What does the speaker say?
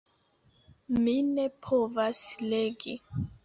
Mi ne povas legi.